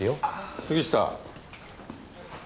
杉下。